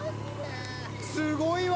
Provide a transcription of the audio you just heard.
すごいわ。